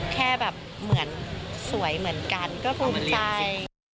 แค่แบบเหมือนสวยเหมือนกันก็ภูมิใจ